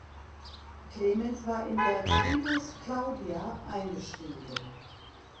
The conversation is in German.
Clemens war in der Tribus "Claudia" eingeschrieben.